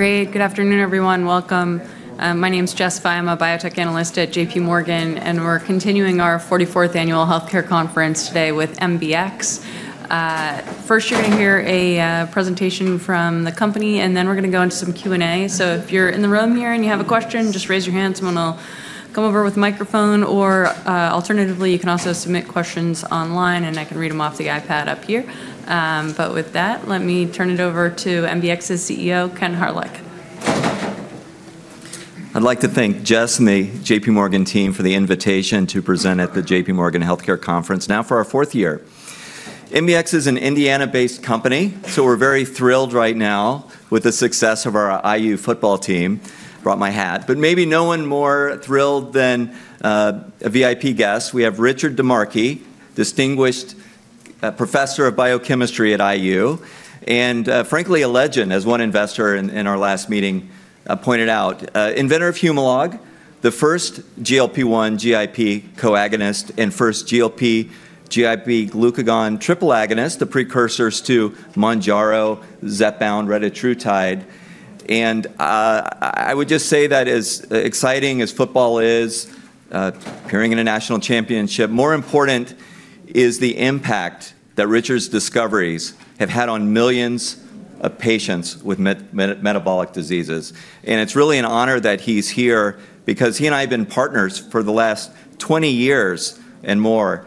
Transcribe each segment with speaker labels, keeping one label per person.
Speaker 1: Great. Good afternoon, everyone. Welcome. My name's Jessica Fye. I'm a biotech analyst at JPMorgan, and we're continuing our 44th Annual Healthcare Conference today with MBX. First, you're going to hear a presentation from the company, and then we're going to go into some Q&A. So if you're in the room here and you have a question, just raise your hand. Someone will come over with a microphone, or alternatively, you can also submit questions online, and I can read them off the iPad up here. But with that, let me turn it over to MBX's CEO, Kent Hawryluk.
Speaker 2: I'd like to thank Jess and the JPMorgan team for the invitation to present at the JPMorgan Healthcare Conference now for our fourth year. MBX is an Indiana-based company, so we're very thrilled right now with the success of our IU football team. I brought my hat, but maybe no one more thrilled than a VIP guest. We have Richard DiMarchi, Distinguished Professor of Biochemistry at IU, and frankly, a legend, as one investor in our last meeting pointed out, inventor of Humalog, the first GLP-1/GIP co-agonist, and first GLP-1/GIP/glucagon triple agonist, the precursors to Mounjaro, Zepbound, and retatrutide, and I would just say that as exciting as football is, appearing in a national championship, more important is the impact that Richard's discoveries have had on millions of patients with metabolic diseases. It's really an honor that he's here because he and I have been partners for the last 20 years and more.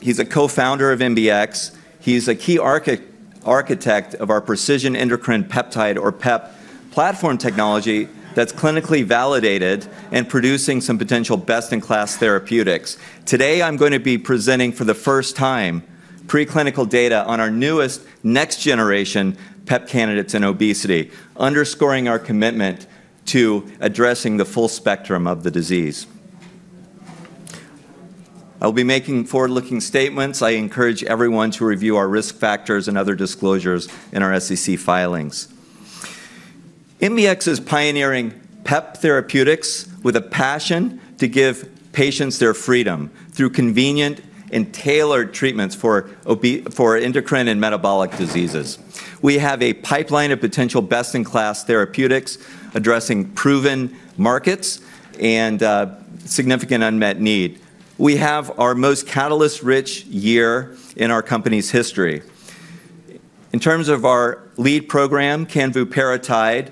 Speaker 2: He's a co-founder of MBX. He's a key architect of our Precision Endocrine Peptide, or PEP, platform technology that's clinically validated and producing some potential best-in-class therapeutics. Today, I'm going to be presenting for the first time preclinical data on our newest next-generation PEP candidates in obesity, underscoring our commitment to addressing the full spectrum of the disease. I'll be making forward-looking statements. I encourage everyone to review our risk factors and other disclosures in our SEC filings. MBX is pioneering PEP therapeutics with a passion to give patients their freedom through convenient and tailored treatments for endocrine and metabolic diseases. We have a pipeline of potential best-in-class therapeutics addressing proven markets and significant unmet need. We have our most catalyst-rich year in our company's history. In terms of our lead program, canvuparatide,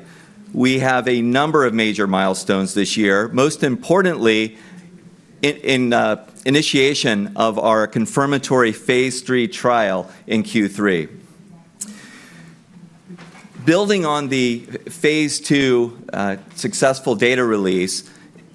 Speaker 2: we have a number of major milestones this year, most importantly, initiation of our confirmatory phase III trial in Q3. Building on the phase II successful data release,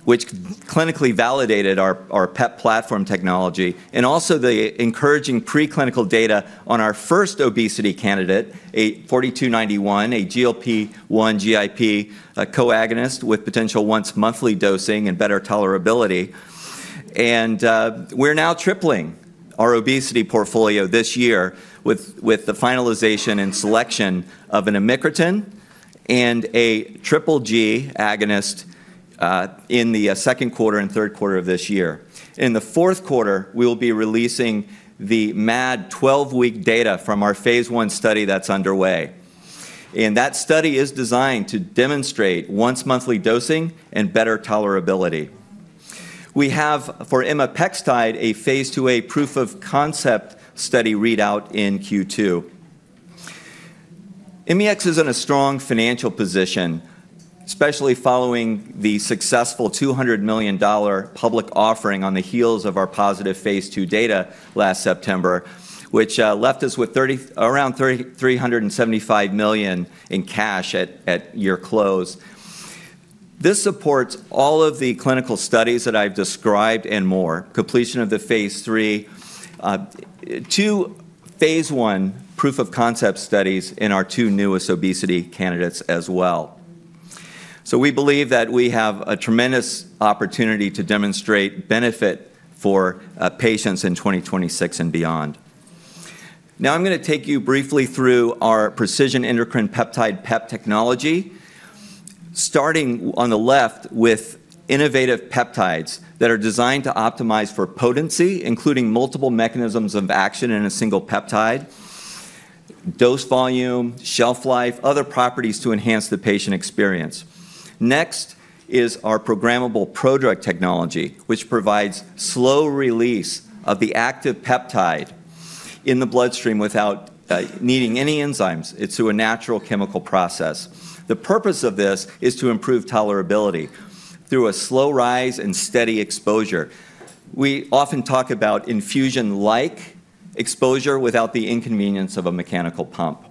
Speaker 2: which clinically validated our PEP platform technology, and also the encouraging preclinical data on our first obesity candidate, MBX 4291, a GLP-1/GIP co-agonist with potential once-monthly dosing and better tolerability. And we're now tripling our obesity portfolio this year with the finalization and selection of an amycretin and a GGG agonist in the second quarter and third quarter of this year. In the fourth quarter, we will be releasing the MAD 12-week data from our phase I study that's underway. And that study is designed to demonstrate once-monthly dosing and better tolerability. We have, for imapextide, a phase II-A proof of concept study readout in Q2. MBX is in a strong financial position, especially following the successful $200 million public offering on the heels of our positive phase II data last September, which left us with around $375 million in cash at year close. This supports all of the clinical studies that I've described and more, completion of the phase III, 2-phase I proof of concept studies in our two newest obesity candidates as well. So we believe that we have a tremendous opportunity to demonstrate benefit for patients in 2026 and beyond. Now I'm going to take you briefly through our Precision Endocrine Peptide, PEP technology, starting on the left with innovative peptides that are designed to optimize for potency, including multiple mechanisms of action in a single peptide, dose volume, shelf life, and other properties to enhance the patient experience. Next is our programmable prodrug technology, which provides slow release of the active peptide in the bloodstream without needing any enzymes. It's through a natural chemical process. The purpose of this is to improve tolerability through a slow rise and steady exposure. We often talk about infusion-like exposure without the inconvenience of a mechanical pump,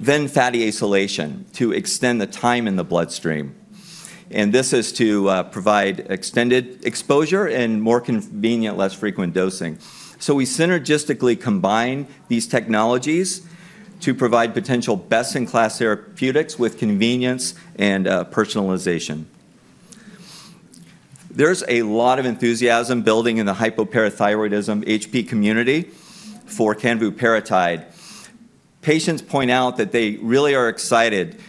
Speaker 2: then fatty acylation to extend the time in the bloodstream, and this is to provide extended exposure and more convenient, less frequent dosing, so we synergistically combine these technologies to provide potential best-in-class therapeutics with convenience and personalization. There's a lot of enthusiasm building in the hypoparathyroidism HP community for canvuparatide. Patients point out that they really are excited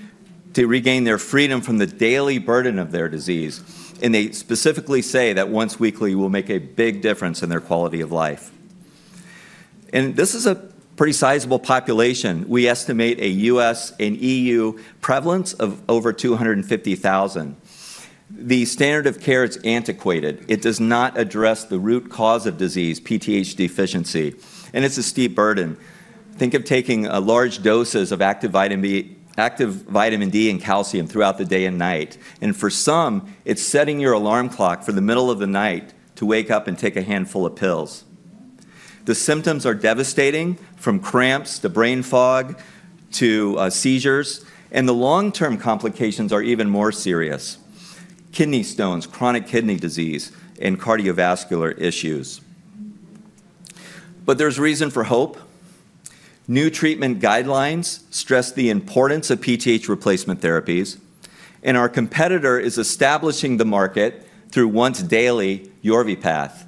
Speaker 2: to regain their freedom from the daily burden of their disease, and they specifically say that once weekly will make a big difference in their quality of life. And this is a pretty sizable population. We estimate a U.S. and E.U. prevalence of over 250,000. The standard of care is antiquated. It does not address the root cause of disease, PTH deficiency, and it's a steep burden. Think of taking large doses of active vitamin D and calcium throughout the day and night. And for some, it's setting your alarm clock for the middle of the night to wake up and take a handful of pills. The symptoms are devastating, from cramps to brain fog to seizures, and the long-term complications are even more serious: kidney stones, chronic kidney disease, and cardiovascular issues, but there's reason for hope. New treatment guidelines stress the importance of PTH replacement therapies, and our competitor is establishing the market through once-daily Yorvipath.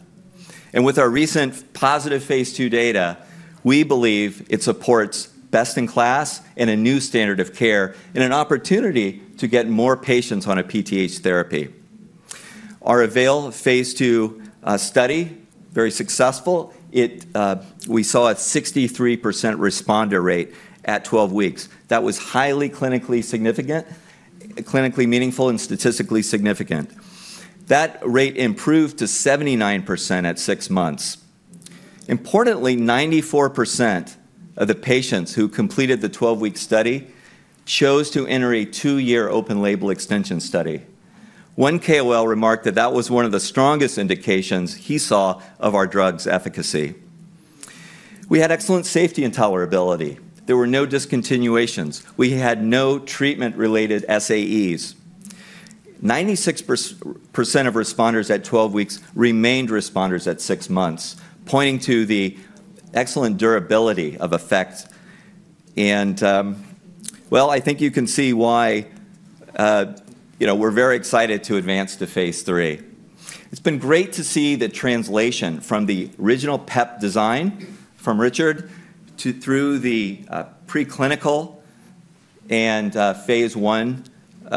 Speaker 2: And with our recent positive phase II data, we believe it supports best-in-class and a new standard of care and an opportunity to get more patients on a PTH therapy. Our AVAIL phase II study, very successful. We saw a 63% responder rate at 12 weeks. That was highly clinically significant, clinically meaningful, and statistically significant. That rate improved to 79% at six months. Importantly, 94% of the patients who completed the 12-week study chose to enter a two-year open-label extension study. One KOL remarked that that was one of the strongest indications he saw of our drug's efficacy. We had excellent safety and tolerability. There were no discontinuations. We had no treatment-related SAEs. 96% of responders at 12 weeks remained responders at six months, pointing to the excellent durability of effect. And well, I think you can see why we're very excited to advance to phase III. It's been great to see the translation from the original PEP design from Richard through the preclinical and phase I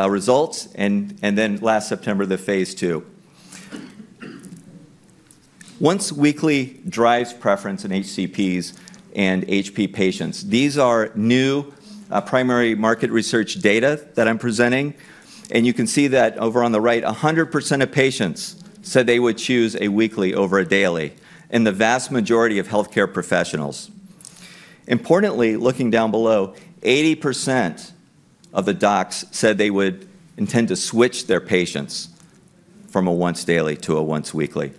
Speaker 2: results, and then last September, the phase II. Once weekly drives preference in HCPs and HP patients. These are new primary market research data that I'm presenting, and you can see that over on the right, 100% of patients said they would choose a weekly over a daily, and the vast majority of healthcare professionals. Importantly, looking down below, 80% of the docs said they would intend to switch their patients from a once-daily to a once-weekly.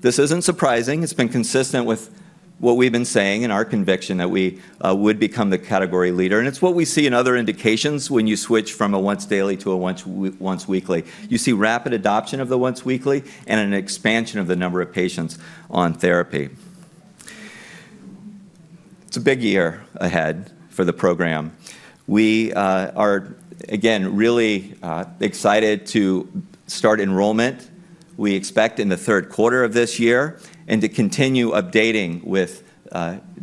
Speaker 2: This isn't surprising. It's been consistent with what we've been saying and our conviction that we would become the category leader, and it's what we see in other indications when you switch from a once-daily to a once-weekly. You see rapid adoption of the once-weekly and an expansion of the number of patients on therapy. It's a big year ahead for the program. We are, again, really excited to start enrollment. We expect in the third quarter of this year and to continue updating with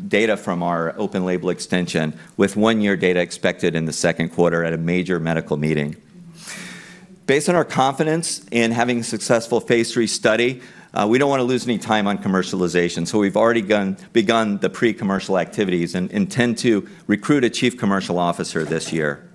Speaker 2: data from our open-label extension, with one-year data expected in the second quarter at a major medical meeting. Based on our confidence in having a successful phase III study, we don't want to lose any time on commercialization. So we've already begun the pre-commercial activities and intend to recruit a chief commercial officer this year.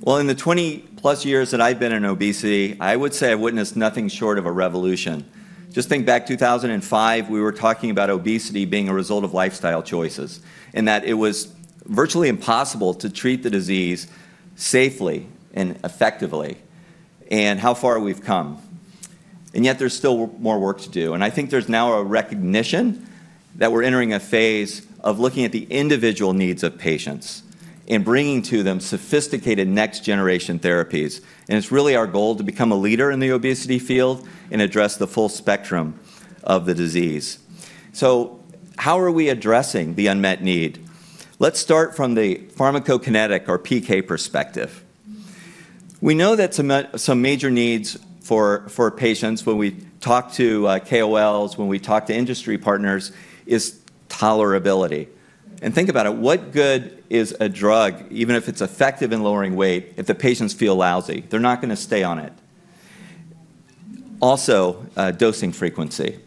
Speaker 2: Well, in the 20+ years that I've been in obesity, I would say I've witnessed nothing short of a revolution. Just think back to 2005. We were talking about obesity being a result of lifestyle choices and that it was virtually impossible to treat the disease safely and effectively and how far we've come. And yet there's still more work to do. And I think there's now a recognition that we're entering a phase of looking at the individual needs of patients and bringing to them sophisticated next-generation therapies. And it's really our goal to become a leader in the obesity field and address the full spectrum of the disease. So how are we addressing the unmet need? Let's start from the pharmacokinetic or PK perspective. We know that some major needs for patients, when we talk to KOLs, when we talk to industry partners, is tolerability. And think about it. What good is a drug, even if it's effective in lowering weight, if the patients feel lousy? They're not going to stay on it. Also, dosing frequency.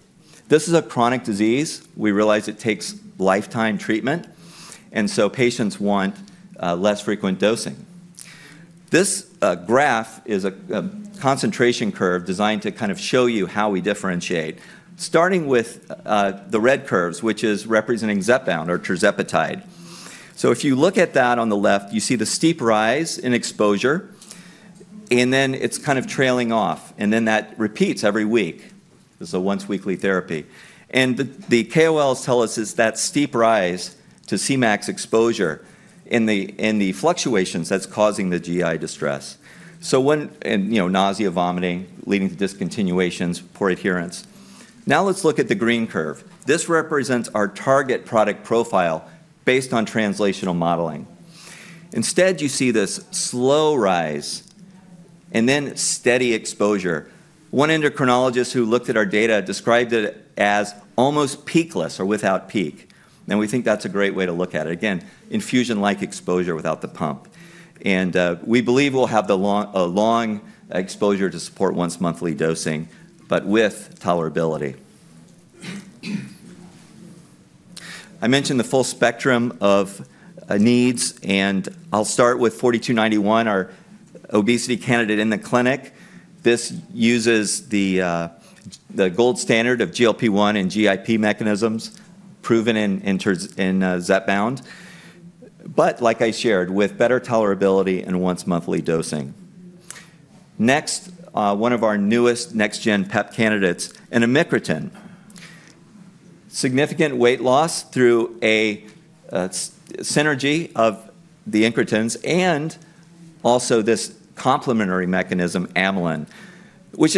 Speaker 2: This is a chronic disease. We realize it takes lifetime treatment. And so patients want less frequent dosing. This graph is a concentration curve designed to kind of show you how we differentiate, starting with the red curves, which is representing Zepbound or tirzepatide. So if you look at that on the left, you see the steep rise in exposure, and then it's kind of trailing off. And then that repeats every week. This is a once-weekly therapy. And the KOLs tell us it's that steep rise to Cmax exposure in the fluctuations that's causing the GI distress. So nausea, vomiting, leading to discontinuations, poor adherence. Now let's look at the green curve. This represents our target product profile based on translational modeling. Instead, you see this slow rise and then steady exposure. One endocrinologist who looked at our data described it as almost peakless or without peak. And we think that's a great way to look at it. Again, infusion-like exposure without the pump. And we believe we'll have a long exposure to support once-monthly dosing, but with tolerability. I mentioned the full spectrum of needs, and I'll start with 4291, our obesity candidate in the clinic. This uses the gold standard of GLP-1 and GIP mechanisms proven in Zepbound, but like I shared, with better tolerability and once-monthly dosing. Next, one of our newest next-gen PEP candidates, an amycretin. Significant weight loss through a synergy of the incretins and also this complementary mechanism, amylin, which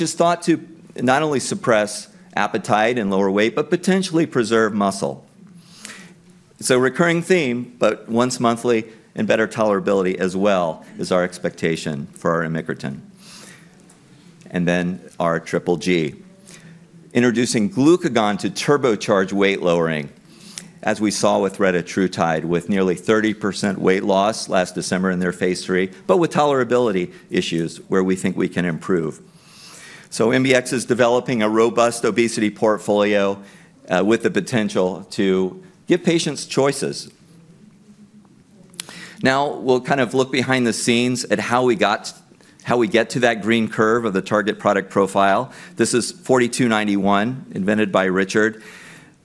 Speaker 2: is thought to not only suppress appetite and lower weight, but potentially preserve muscle. It's a recurring theme, but once-monthly and better tolerability as well is our expectation for our amycretin. And then our triple G, introducing glucagon to turbocharge weight lowering, as we saw with retatrutide, with nearly 30% weight loss last December in their phase III, but with tolerability issues where we think we can improve. So MBX is developing a robust obesity portfolio with the potential to give patients choices. Now we'll kind of look behind the scenes at how we get to that green curve of the target product profile. This is 4291, invented by Richard.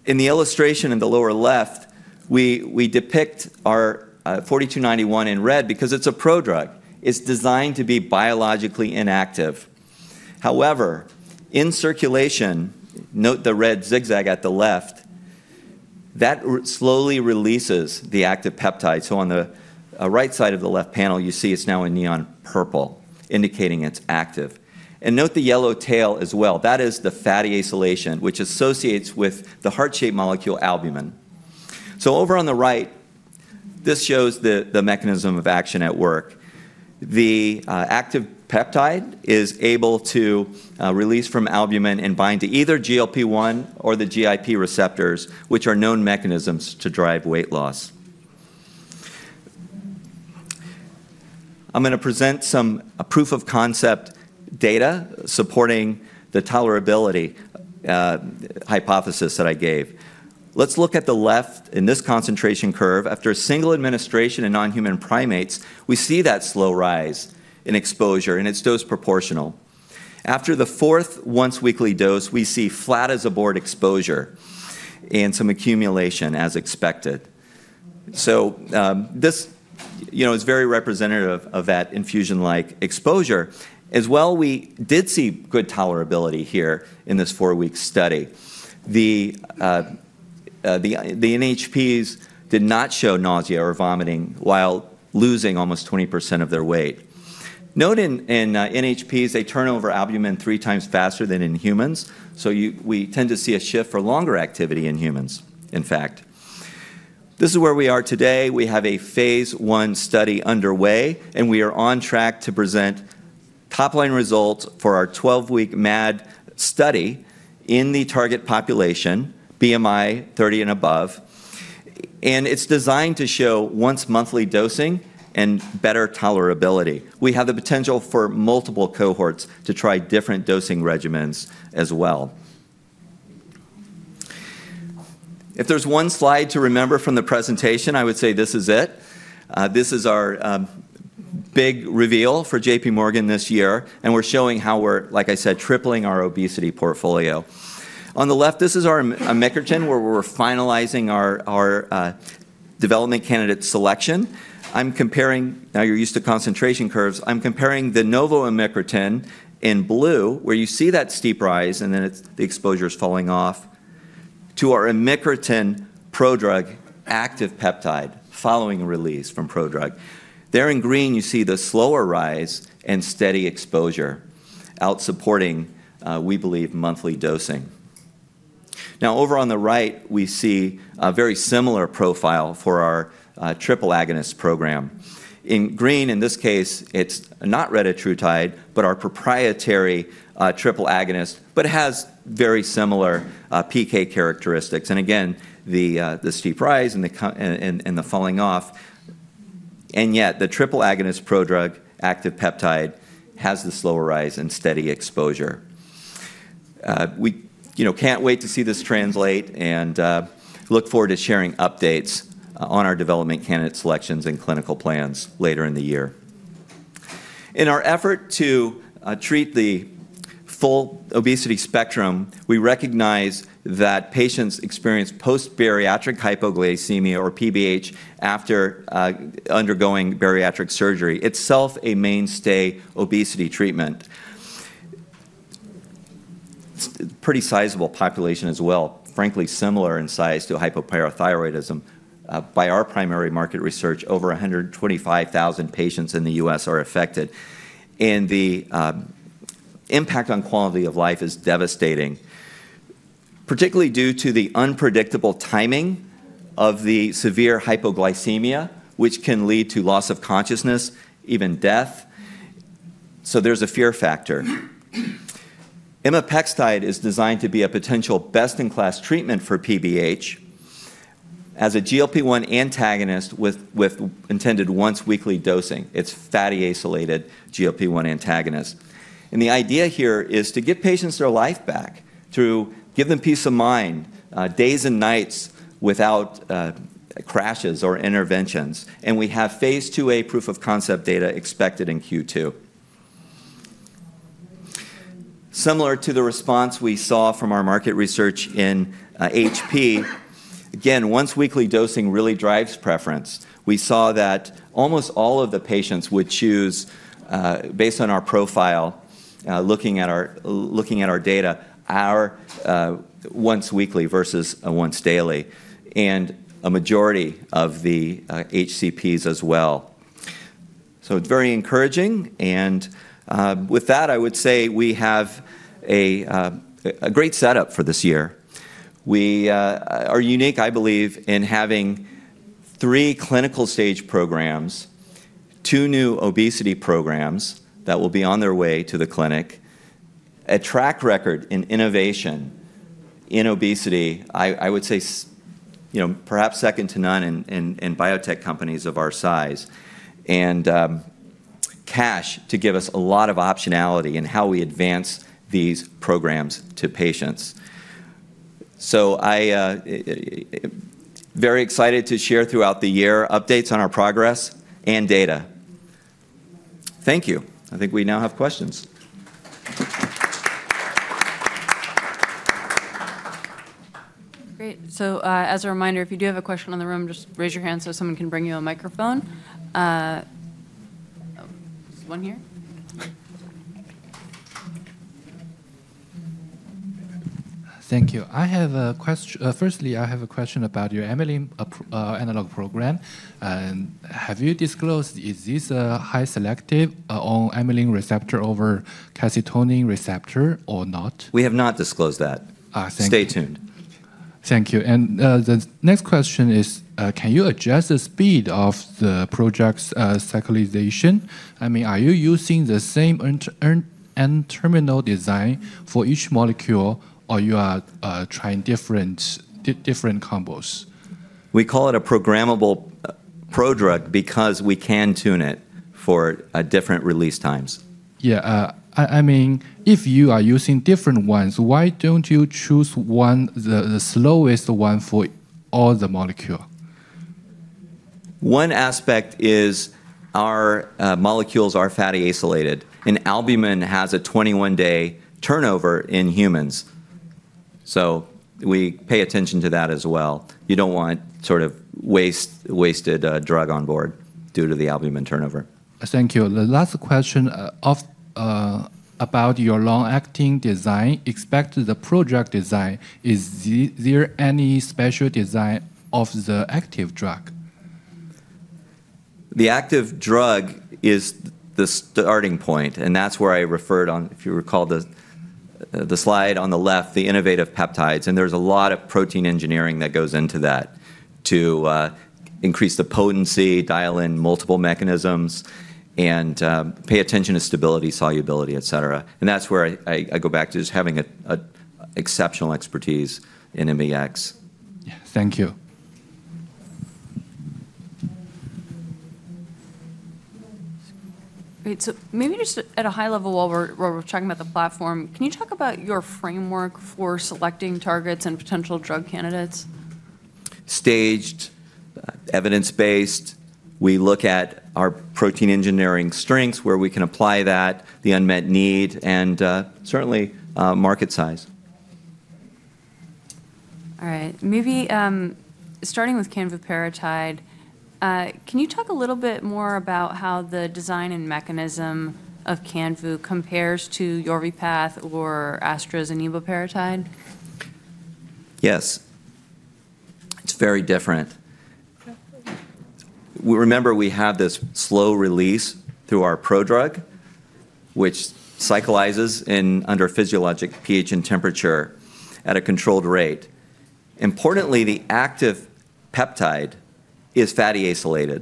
Speaker 2: In the illustration in the lower left, we depict our 4291 in red because it's a prodrug. It's designed to be biologically inactive. However, in circulation, note the red zigzag at the left, that slowly releases the active peptide. So on the right side of the left panel, you see it's now in neon purple, indicating it's active. And note the yellow tail as well. That is the fatty acylation, which associates with the heart-shaped molecule albumin. So over on the right, this shows the mechanism of action at work. The active peptide is able to release from albumin and bind to either GLP-1 or the GIP receptors, which are known mechanisms to drive weight loss. I'm going to present some proof of concept data supporting the tolerability hypothesis that I gave. Let's look at the left in this concentration curve. After a single administration in non-human primates, we see that slow rise in exposure, and it's dose proportional. After the fourth once-weekly dose, we see flat as a board exposure and some accumulation, as expected. So this is very representative of that infusion-like exposure. As well, we did see good tolerability here in this four-week study. The NHPs did not show nausea or vomiting while losing almost 20% of their weight. Note in NHPs, they turn over albumin three times faster than in humans. So we tend to see a shift for longer activity in humans, in fact. This is where we are today. We have a phase I study underway, and we are on track to present top-line results for our 12-week MAD study in the target population, BMI 30 and above, and it's designed to show once-monthly dosing and better tolerability. We have the potential for multiple cohorts to try different dosing regimens as well. If there's one slide to remember from the presentation, I would say this is it. This is our big reveal for JPMorgan this year, and we're showing how we're, like I said, tripling our obesity portfolio. On the left, this is our amycretin where we're finalizing our development candidate selection. Now you're used to concentration curves. I'm comparing the Novo Amycretin in blue, where you see that steep rise, and then the exposure is falling off, to our amycretin prodrug active peptide following release from prodrug. There in green, you see the slower rise and steady exposure out, supporting, we believe, monthly dosing. Now, over on the right, we see a very similar profile for our triple agonist program. In green, in this case, it's not retatrutide, but our proprietary triple agonist, but it has very similar PK characteristics, and again, the steep rise and the falling off, and yet, the triple agonist prodrug active peptide has the slower rise and steady exposure. We can't wait to see this translate and look forward to sharing updates on our development candidate selections and clinical plans later in the year. In our effort to treat the full obesity spectrum, we recognize that patients experience post-bariatric hypoglycemia or PBH after undergoing bariatric surgery. Itself, a mainstay obesity treatment. It's a pretty sizable population as well, frankly similar in size to hypoparathyroidism. By our primary market research, over 125,000 patients in the U.S. are affected. And the impact on quality of life is devastating, particularly due to the unpredictable timing of the severe hypoglycemia, which can lead to loss of consciousness, even death. So there's a fear factor. Imapextide is designed to be a potential best-in-class treatment for PBH as a GLP-1 antagonist with intended once-weekly dosing. It's fatty acylated GLP-1 antagonist. And the idea here is to give patients their life back through giving them peace of mind, days and nights without crashes or interventions. And we have phase II-A proof of concept data expected in Q2. Similar to the response we saw from our market research in HP, again, once-weekly dosing really drives preference. We saw that almost all of the patients would choose, based on our profile, looking at our data, our once-weekly versus a once-daily, and a majority of the HCPs as well. So it's very encouraging. And with that, I would say we have a great setup for this year. We are unique, I believe, in having three clinical stage programs, two new obesity programs that will be on their way to the clinic, a track record in innovation in obesity, I would say perhaps second to none in biotech companies of our size, and cash to give us a lot of optionality in how we advance these programs to patients. So I'm very excited to share throughout the year updates on our progress and data. Thank you. I think we now have questions.
Speaker 1: Great. So as a reminder, if you do have a question in the room, just raise your hand so someone can bring you a microphone. This one here. Thank you. Firstly, I have a question about your amylin analog program. Have you disclosed if this is highly selective on amylin receptor over calcitonin receptor or not?
Speaker 2: We have not disclosed that. Thank you. Stay tuned. Thank you, and the next question is, can you adjust the speed of the project's cyclization? I mean, are you using the same end-terminal design for each molecule, or are you trying different combos? We call it a programmable prodrug because we can tune it for different release times. Yeah. I mean, if you are using different ones, why don't you choose the slowest one for all the molecules? One aspect is our molecules are fatty acylated. Albumin has a 21-day turnover in humans. We pay attention to that as well. You don't want sort of wasted drug on board due to the albumin turnover. Thank you. The last question about your long-acting design, except the prodrug design. Is there any special design of the active drug? The active drug is the starting point. And that's where I referred on, if you recall, the slide on the left, the innovative peptides. And there's a lot of protein engineering that goes into that to increase the potency, dial in multiple mechanisms, and pay attention to stability, solubility, etc. And that's where I go back to just having exceptional expertise in MBX. Yeah. Thank you.
Speaker 1: Great. So maybe just at a high level, while we're talking about the platform, can you talk about your framework for selecting targets and potential drug candidates?
Speaker 2: Staged, evidence-based. We look at our protein engineering strengths, where we can apply that, the unmet need, and certainly market size.
Speaker 1: All right. Maybe starting with canvuparatide, can you talk a little bit more about how the design and mechanism of canvu compares to Yorvipath or abaloparatide?
Speaker 2: Yes. It's very different. Remember, we have this slow release through our prodrug, which cyclizes under physiologic pH and temperature at a controlled rate. Importantly, the active peptide is fatty acylated.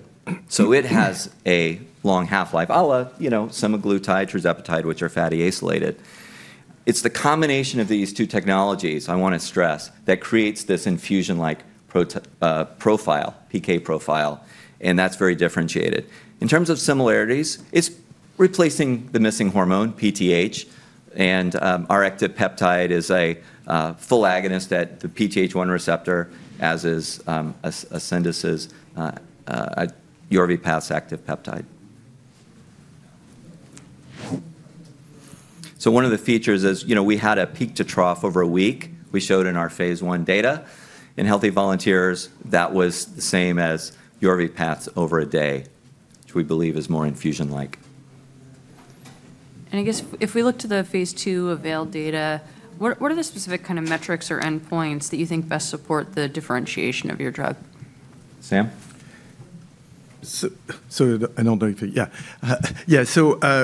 Speaker 2: So it has a long half-life, a la semaglutide/tirzepatide, which are fatty acylated. It's the combination of these two technologies, I want to stress, that creates this infusion-like profile, PK profile. And that's very differentiated. In terms of similarities, it's replacing the missing hormone, PTH. And our active peptide is a full agonist at the PTH1 receptor, as is Ascendis's Yorvipath's active peptide. So one of the features is we had a peak to trough over a week. We showed in our phase I data. In healthy volunteers, that was the same as Yorvipath's over a day, which we believe is more infusion-like.
Speaker 1: I guess if we look to the phase II available data, what are the specific kind of metrics or endpoints that you think best support the differentiation of your drug?
Speaker 2: Sam?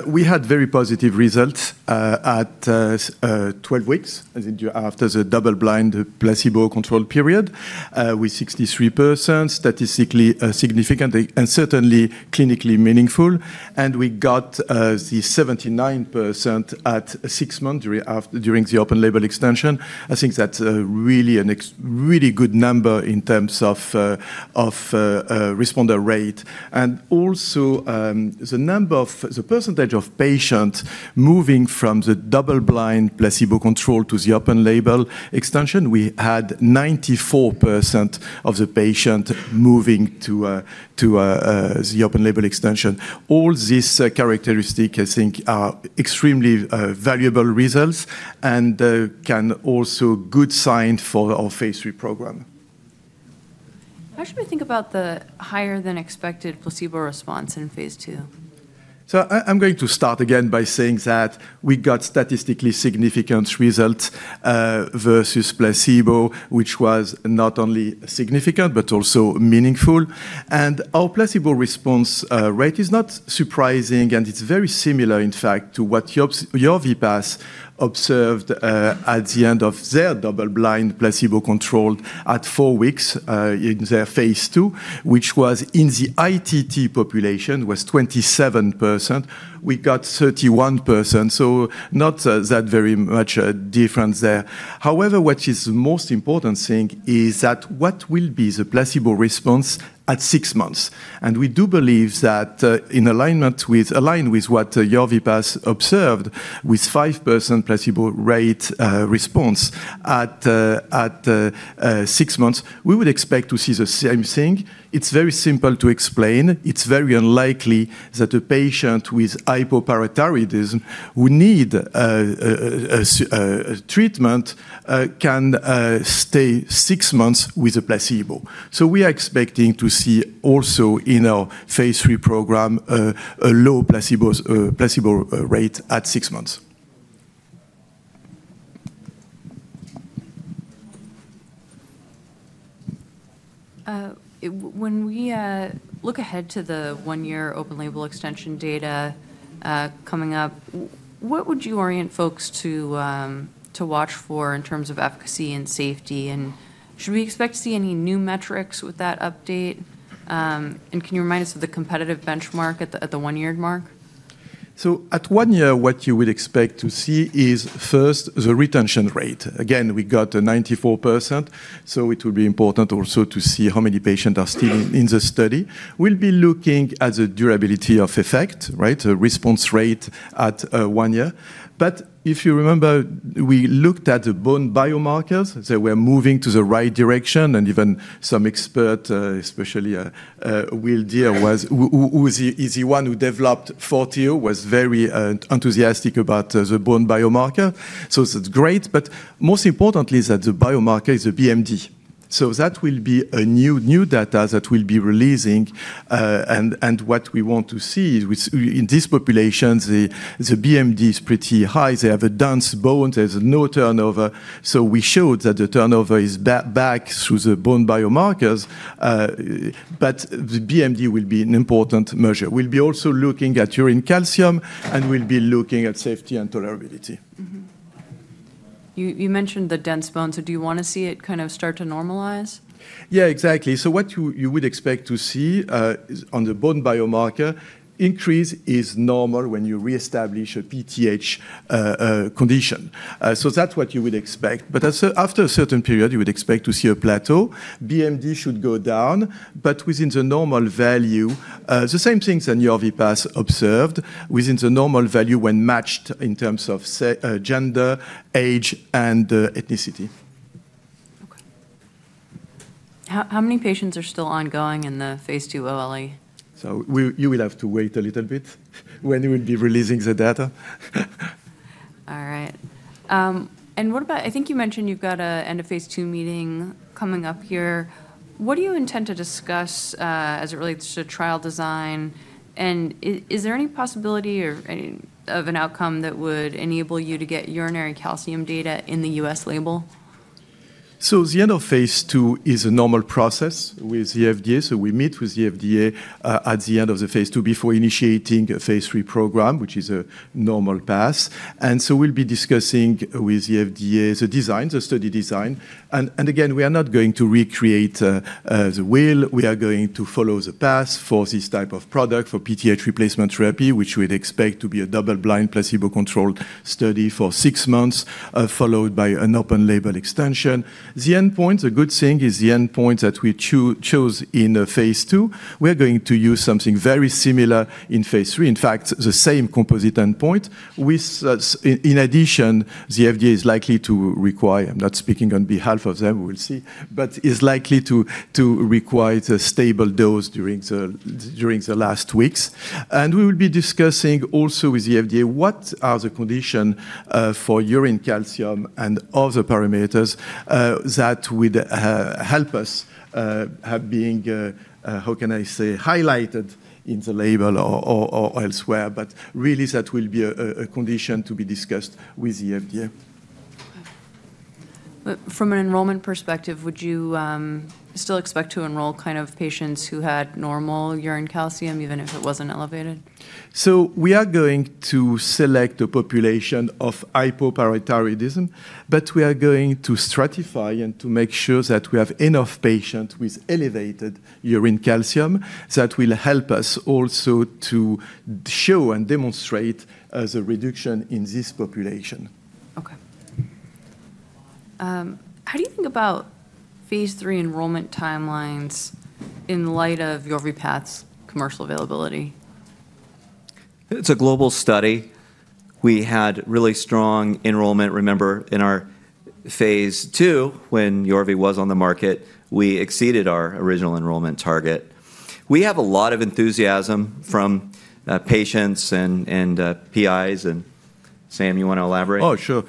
Speaker 3: We had very positive results at 12 weeks after the double-blind placebo-controlled period with 63%, statistically significant and certainly clinically meaningful. We got the 79% at six months during the open-label extension. I think that's really a really good number in terms of responder rate. Also, the number of the percentage of patients moving from the double-blind placebo-controlled to the open-label extension, we had 94% of the patients moving to the open-label extension. All these characteristics, I think, are extremely valuable results and can also be good signs for our phase III program.
Speaker 1: How should we think about the higher-than-expected placebo response in phase II?
Speaker 3: I'm going to start again by saying that we got statistically significant results versus placebo, which was not only significant but also meaningful. Our placebo response rate is not surprising. It's very similar, in fact, to what Yorvipath observed at the end of their double-blind placebo-controlled at four weeks in their phase II, which was in the ITT population, was 27%. We got 31%. Not that very much a difference there. However, what is the most important thing is that what will be the placebo response at six months? We do believe that in alignment with what Yorvipath observed with 5% placebo response rate at six months, we would expect to see the same thing. It's very simple to explain. It's very unlikely that a patient with hypoparathyroidism who needs treatment can stay six months with a placebo. So we are expecting to see also in our phase III program a low placebo rate at six months.
Speaker 1: When we look ahead to the one-year open-label extension data coming up, what would you orient folks to watch for in terms of efficacy and safety? And should we expect to see any new metrics with that update? And can you remind us of the competitive benchmark at the one-year mark?
Speaker 3: So at one year, what you would expect to see is, first, the retention rate. Again, we got 94%. So it will be important also to see how many patients are still in the study. We'll be looking at the durability of effect, right, the response rate at one year. But if you remember, we looked at the bone biomarkers. They were moving to the right direction. And even some expert, especially Willard Dere, who is the one who developed Forteo, was very enthusiastic about the bone biomarker. So that's great. But most importantly, the biomarker is the BMD. So that will be new data that we'll be releasing. And what we want to see in these populations, the BMD is pretty high. They have a dense bone. There's no turnover. So we showed that the turnover is back through the bone biomarkers. But the BMD will be an important measure. We'll be also looking at urine calcium, and we'll be looking at safety and tolerability.
Speaker 1: You mentioned the dense bone. So do you want to see it kind of start to normalize?
Speaker 3: Yeah, exactly. So what you would expect to see on the bone biomarker increase is normal when you reestablish a PTH condition. So that's what you would expect. But after a certain period, you would expect to see a plateau. BMD should go down, but within the normal value, the same things that Yorvipath observed within the normal value when matched in terms of gender, age, and ethnicity.
Speaker 1: Okay. How many patients are still ongoing in the phase II OLE?
Speaker 3: So you will have to wait a little bit when we'll be releasing the data.
Speaker 1: All right. And what about I think you mentioned you've got an end-of-phase II meeting coming up here? What do you intend to discuss as it relates to trial design? And is there any possibility of an outcome that would enable you to get urinary calcium data in the U.S. label?
Speaker 3: So the end of phase II is a normal process with the FDA. So we meet with the FDA at the end of the phase II before initiating a phase III program, which is a normal pass. And so we'll be discussing with the FDA the design, the study design. And again, we are not going to recreate the wheel. We are going to follow the path for this type of product for PTH replacement therapy, which we'd expect to be a double-blind placebo-controlled study for six months, followed by an open-label extension. The endpoint, the good thing is the endpoint that we chose in phase II, we're going to use something very similar in phase III, in fact, the same composite endpoint. In addition, the FDA is likely to require. I'm not speaking on behalf of them. We'll see. But it's likely to require a stable dose during the last weeks. And we will be discussing also with the FDA what are the conditions for urine calcium and other parameters that would help us being how can I say highlighted in the label or elsewhere. But really, that will be a condition to be discussed with the FDA.
Speaker 1: From an enrollment perspective, would you still expect to enroll kind of patients who had normal urine calcium even if it wasn't elevated?
Speaker 3: So we are going to select a population of hypoparathyroidism. But we are going to stratify and to make sure that we have enough patients with elevated urine calcium that will help us also to show and demonstrate the reduction in this population.
Speaker 1: Okay. How do you think about phase III enrollment timelines in light of Yorvipath's commercial availability?
Speaker 2: It's a global study. We had really strong enrollment. Remember, in our phase II, when Yorvi was on the market, we exceeded our original enrollment target. We have a lot of enthusiasm from patients and PIs, and Sam, you want to elaborate?
Speaker 3: Oh, sure.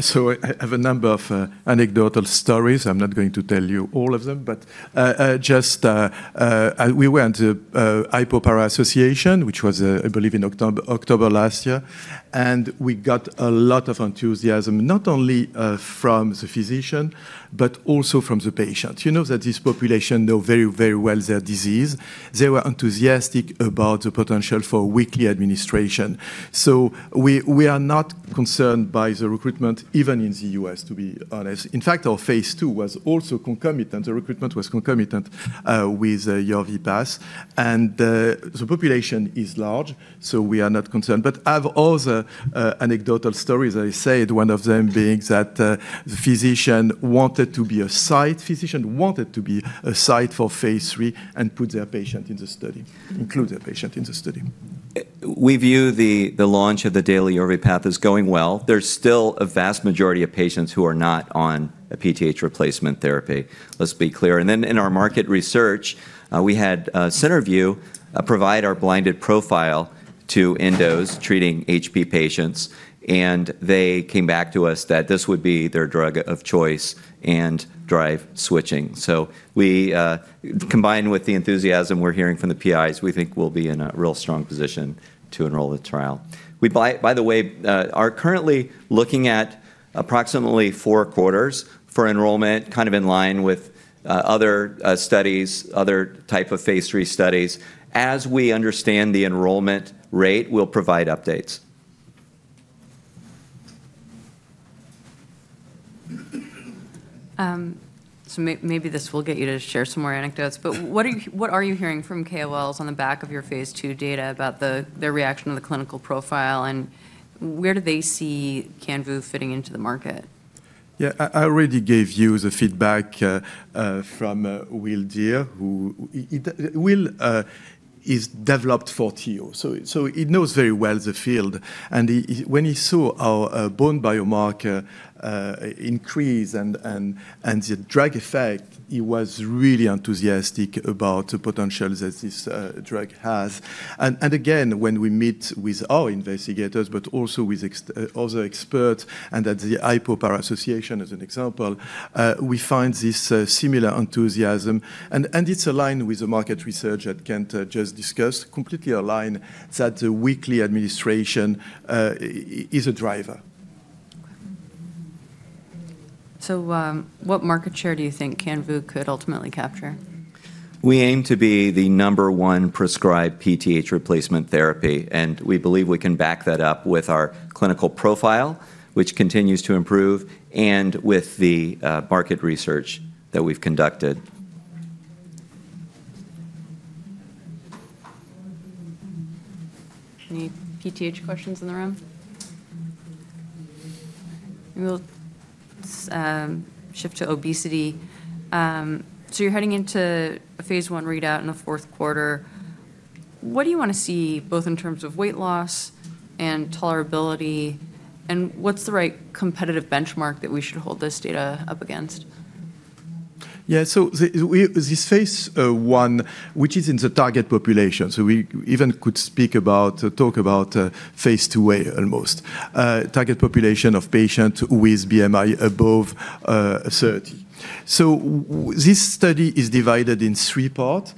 Speaker 3: So I have a number of anecdotal stories. I'm not going to tell you all of them. But just we went to Hypopara Association, which was, I believe, in October last year. And we got a lot of enthusiasm, not only from the physician, but also from the patient. You know that this population know very, very well their disease. They were enthusiastic about the potential for weekly administration. So we are not concerned by the recruitment, even in the U.S., to be honest. In fact, our phase II was also concomitant. The recruitment was concomitant with Yorvipath. And the population is large. So we are not concerned. But I have other anecdotal stories, as I said, one of them being that the physician wanted to be a site for phase III and put their patient in the study.
Speaker 2: We view the launch of the daily Yorvipath as going well. There's still a vast majority of patients who are not on a PTH replacement therapy, let's be clear. And then in our market research, we had Centerview provide our blinded profile to endos treating HP patients. And they came back to us that this would be their drug of choice and drive switching. So combined with the enthusiasm we're hearing from the PIs, we think we'll be in a real strong position to enroll the trial. We, by the way, are currently looking at approximately four quarters for enrollment, kind of in line with other studies, other types of phase III studies. As we understand the enrollment rate, we'll provide updates.
Speaker 1: So maybe this will get you to share some more anecdotes. But what are you hearing from KOLs on the back of your phase II data about their reaction to the clinical profile? And where do they see canvu fitting into the market?
Speaker 3: Yeah. I already gave you the feedback from Will Dere, who has developed Forteo. So he knows very well the field. And when he saw our bone biomarker increase and the drug effect, he was really enthusiastic about the potential that this drug has. And again, when we meet with our investigators, but also with other experts and at the Hypopara Association, as an example, we find this similar enthusiasm. And it's aligned with the market research that Kent just discussed, completely aligned that the weekly administration is a driver.
Speaker 1: So what market share do you think Canvu could ultimately capture?
Speaker 2: We aim to be the number one prescribed PTH replacement therapy, and we believe we can back that up with our clinical profile, which continues to improve, and with the market research that we've conducted.
Speaker 1: Any PTH questions in the room? We'll shift to obesity. So you're heading into a phase I readout in the fourth quarter. What do you want to see both in terms of weight loss and tolerability? And what's the right competitive benchmark that we should hold this data up against?
Speaker 3: Yeah. So this phase I, which is in the target population, so we even could speak about phase II almost, target population of patients with BMI above 30. So this study is divided in three parts.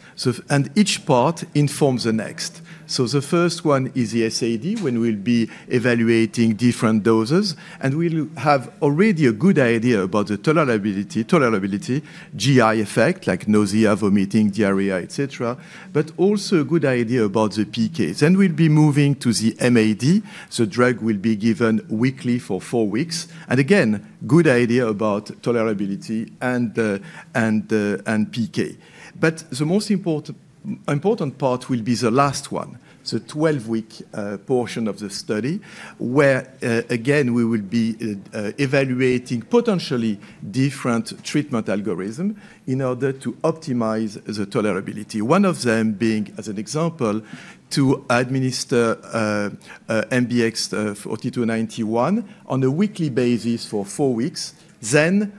Speaker 3: And each part informs the next. So the first one is the SAD, when we'll be evaluating different doses. And we'll have already a good idea about the tolerability, GI effect, like nausea, vomiting, diarrhea, et cetera, but also a good idea about the PK. Then we'll be moving to the MAD. The drug will be given weekly for four weeks. And again, good idea about tolerability and PK. But the most important part will be the last one, the 12-week portion of the study, where, again, we will be evaluating potentially different treatment algorithms in order to optimize the tolerability. One of them being, as an example, to administer MBX 4291 on a weekly basis for four weeks, then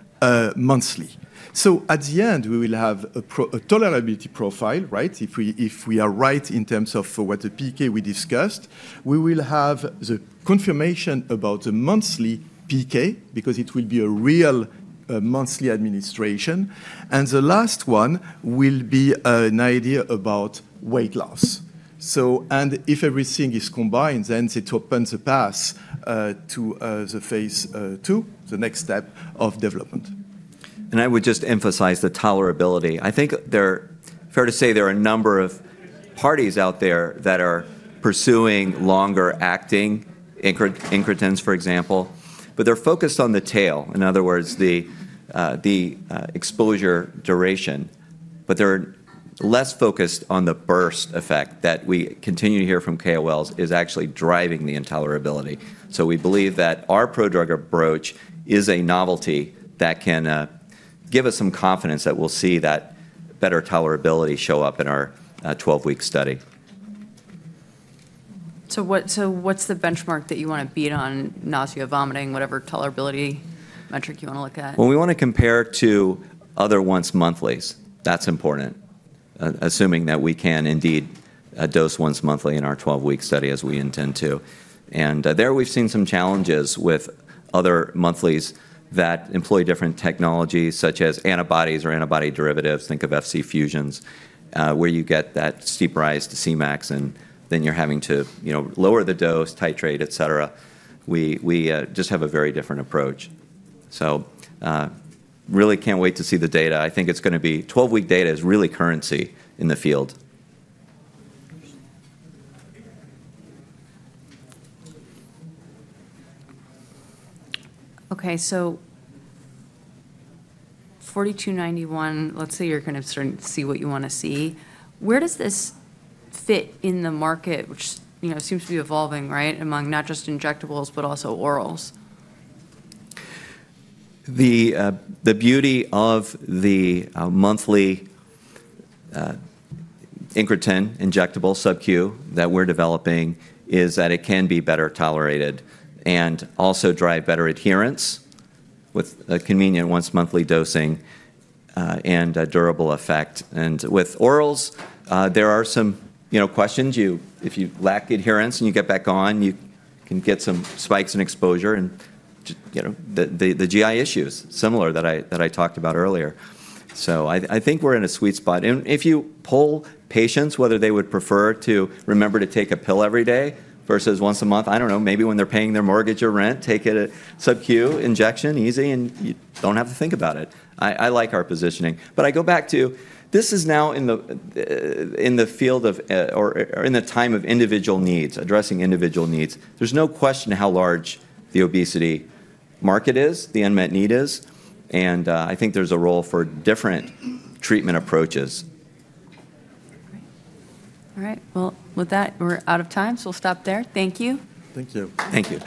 Speaker 3: monthly. So at the end, we will have a tolerability profile, right? If we are right in terms of what the PK we discussed, we will have the confirmation about the monthly PK because it will be a real monthly administration. And the last one will be an idea about weight loss. And if everything is combined, then it opens a path to the phase II, the next step of development.
Speaker 2: And I would just emphasize the tolerability. I think they're fair to say there are a number of parties out there that are pursuing longer-acting incretins, for example. But they're focused on the tail, in other words, the exposure duration. But they're less focused on the burst effect that we continue to hear from KOLs is actually driving the intolerability. So we believe that our pro-drug approach is a novelty that can give us some confidence that we'll see that better tolerability show up in our 12-week study.
Speaker 1: So what's the benchmark that you want to beat on nausea or vomiting, whatever tolerability metric you want to look at?
Speaker 2: We want to compare to other once-monthlies. That's important, assuming that we can indeed dose once monthly in our 12-week study as we intend to. There, we've seen some challenges with other monthlies that employ different technologies, such as antibodies or antibody derivatives. Think of Fc fusions, where you get that steep rise to Cmax, and then you're having to lower the dose, titrate, et cetera. We just have a very different approach. Really can't wait to see the data. I think it's going to be 12-week data is really currency in the field.
Speaker 1: Okay. So 4291, let's say you're kind of starting to see what you want to see. Where does this fit in the market, which seems to be evolving, right, among not just injectables but also orals?
Speaker 2: The beauty of the monthly incretin injectable subQ that we're developing is that it can be better tolerated and also drive better adherence with convenient once-monthly dosing and durable effect. And with orals, there are some questions. If you lack adherence and you get back on, you can get some spikes in exposure and the GI issues similar that I talked about earlier. So I think we're in a sweet spot. And if you poll patients whether they would prefer to remember to take a pill every day versus once a month, I don't know, maybe when they're paying their mortgage or rent, take a subQ injection easy, and you don't have to think about it. I like our positioning. But I go back to this is now in the field of or in the time of individual needs, addressing individual needs. There's no question how large the obesity market is, the unmet need is, and I think there's a role for different treatment approaches.
Speaker 1: All right. Well, with that, we're out of time. So we'll stop there. Thank you.
Speaker 3: Thank you.
Speaker 2: Thank you.